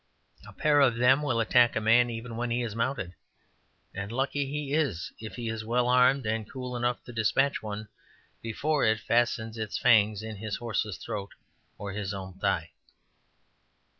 A pair of them will attack a man even when he is mounted, and lucky is he if he is well armed and cool enough to despatch one before it fastens its fangs in his horse's throat or his own thigh.